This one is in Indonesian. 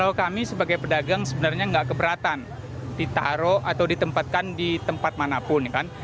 kalau kami sebagai pedagang sebenarnya nggak keberatan ditaruh atau ditempatkan di tempat manapun kan